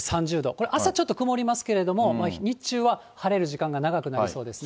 これ、朝ちょっと曇りますけども、日中は晴れる時間が長くなりそうですね。